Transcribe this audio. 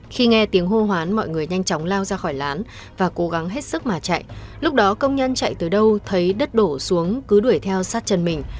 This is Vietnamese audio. khi nghe tiếng hô hoán mọi người nhanh chóng lao ra khỏi lán và cố gắng hết sức mà chạy lúc đó công nhân chạy từ đâu thấy đất đổ xuống cứ đuổi theo sát chân mình